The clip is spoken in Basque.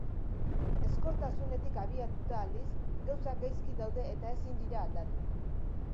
Ezkortasunetik abiatuta, aldiz, gauzak gaizki daude eta ezin dira aldatu.